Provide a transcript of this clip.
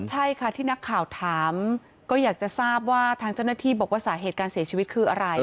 ใช่ค่ะที่นักข่าวถามก็อยากจะทราบว่าทางเจ้าหน้าที่บอกว่าสาเหตุการเสียชีวิตคืออะไร